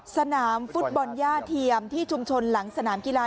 สนามฟุตบอลย่าเทียมที่ชุมชนหลังสนามกีฬา